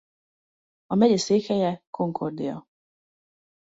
A megye székhelye Concordia.